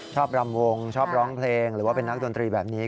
รำวงชอบร้องเพลงหรือว่าเป็นนักดนตรีแบบนี้